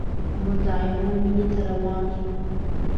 موږ د عینو مینې ته روان شوو.